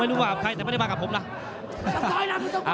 ไม่รู้ว่าใครแต่ไม่ได้มากับผมนะ